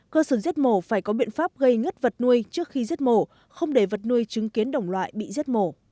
cơ sở giết mổ phải có biện pháp gây ngất vật nuôi trước khi giết mổ không để vật nuôi chứng kiến đồng loại bị giết mổ